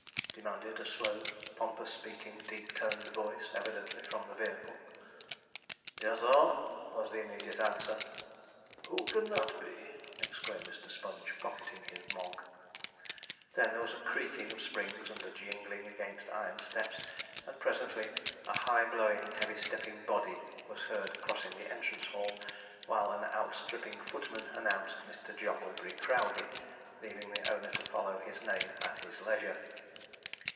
demanded a slow, pompous speaking, deep toned voice, evidently from the vehicle. 'Yez ur,' was the immediate answer. 'Who can that be?' exclaimed Sponge, pocketing his Mogg. Then there was a creaking of springs and a jingling against iron steps, and presently a high blowing, heavy stepping body was heard crossing the entrance hall, while an out stripping footman announced Mr. Jogglebury Crowdey, leaving the owner to follow his name at his leisure.